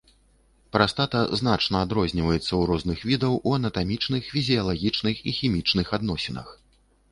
Прастата значна адрозніваецца ў розных відаў у анатамічных, фізіялагічных і хімічных адносінах.